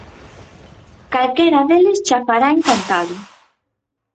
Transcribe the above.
calquera deles cha fará encantado.